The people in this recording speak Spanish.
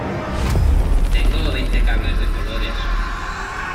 tengo veinte cables de colores